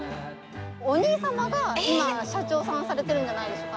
お兄様が今社長さんされてるんじゃないでしょうかね。